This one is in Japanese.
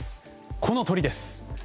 この鳥です。